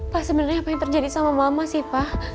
pak sebenarnya apa yang terjadi sama mama sih pak